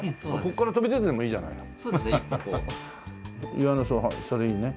岩のそれいいね。